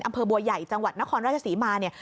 อำเภอบัวใหญ่จังหวัดนครราชศรีมาเนี่ย